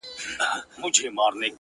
په تا هيـــــڅ خــــبر نـــه يــــم ـ